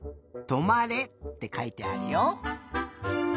「止まれ」ってかいてあるよ。